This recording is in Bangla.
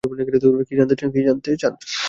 কী জানতে চান?